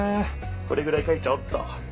これぐらい書いちゃおうっと。